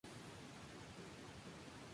El lugar encuentra rodeado de campos agrícolas.